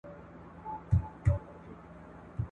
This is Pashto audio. دا تر پښو لاندي قبرونه !.